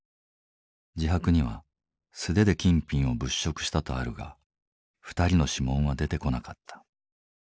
自白には素手で金品を物色したとあるが２人の指紋は出てこなかった。